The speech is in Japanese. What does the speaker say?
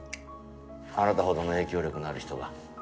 あなたほどの影響力のある人が。